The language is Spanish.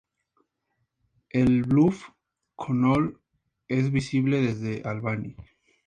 El Bluff Knoll es visible desde Albany.